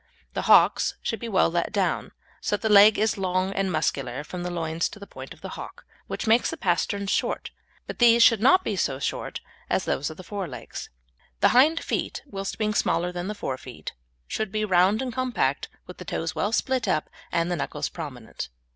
The hocks should be well let down, so that the leg is long and muscular from the loins to the point of the hock, which makes the pasterns short, but these should not be so short as those of the fore legs. The hind feet, whilst being smaller than the forefeet, should be round and compact, with the toes well split up, and the knuckles prominent.